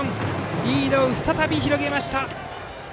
リードを再び広げました。